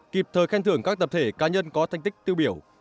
kịp thời khen thưởng các tập thể cá nhân có thành tích tiêu biểu